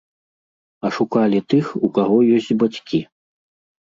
А шукалі тых, у каго ёсць бацькі.